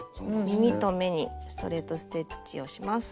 耳と目にストレート・ステッチをします。